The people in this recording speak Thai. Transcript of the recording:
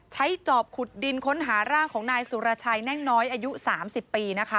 จอบขุดดินค้นหาร่างของนายสุรชัยแน่งน้อยอายุ๓๐ปีนะคะ